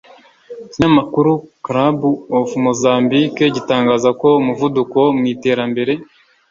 Ikinyamakuru Club of Mozambique gitangaza ko umuvuduko mu iterambere